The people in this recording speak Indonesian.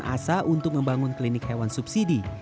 dan juga memiliki rasa untuk membangun klinik hewan subsidi